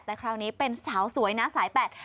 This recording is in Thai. แต่คราวนี้เป็นสาวสวยนะสายแปลก